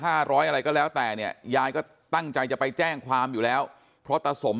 ร้อยอะไรก็แล้วแต่เนี่ยยายก็ตั้งใจจะไปแจ้งความอยู่แล้วเพราะตาสม